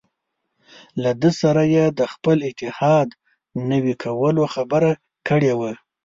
له ده سره یې د خپل اتحاد نوي کولو خبره کړې وه.